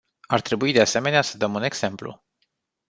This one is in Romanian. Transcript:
Ar trebui de asemenea să dăm un exemplu.